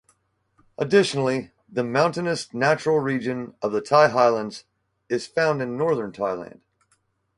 Additionally, the mountainous natural region of the Thai highlands is found in Northern Thailand.